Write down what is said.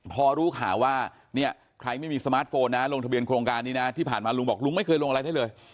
พอรู้ข่าวว่าเนี่ยใครไม่มีสมาร์ทโฟนนะลงทะเบียนโครงการนี้นะที่ผ่านมาลุงบอกลุงไม่เคยลงอะไรได้เลย